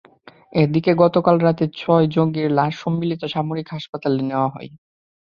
এদিকে গতকাল রাতে ছয় জঙ্গির লাশ সম্মিলিত সামরিক হাসপাতালে নেওয়া হয়।